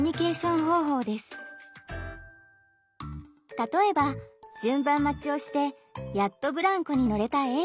例えば順番待ちをしてやっとブランコに乗れたＡさん。